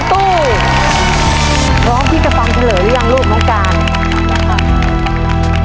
พร้อมที่จะฟังเฉลยหรือยังรูปของการ